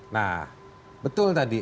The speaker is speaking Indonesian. nah betul tadi